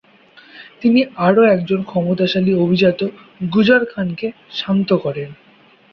তিনি আরও একজন ক্ষমতাশালী অভিজাত গুজর খানকে শান্ত করেন।